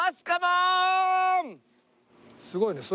すごいね。